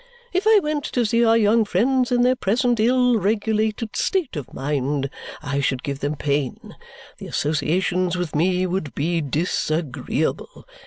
If I went to see our young friends in their present ill regulated state of mind, I should give them pain. The associations with me would be disagreeable.